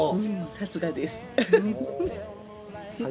さすがです。